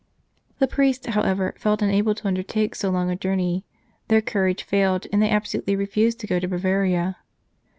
The priests, however, felt unable to undertake so long a journey ; their courage failed, and they absolutely refused to go to Bavaria.